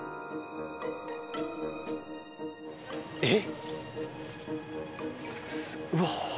えっ。